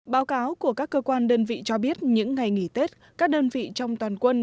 báo cáo của các cơ quan đơn vị cho biết những ngày nghỉ tết các đơn vị trong toàn quân